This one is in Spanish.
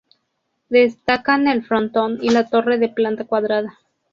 Destacan el frontón y la torre de planta cuadrada.